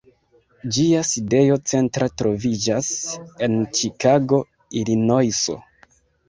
Ĝia sidejo centra troviĝas en Ĉikago, Ilinojso.